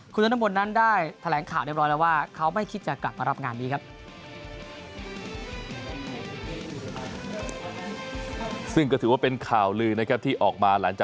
คุณน้ำนับนนั้นได้แสดง